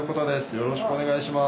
よろしくお願いします。